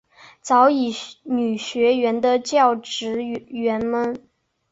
早乙女学园的教职员们。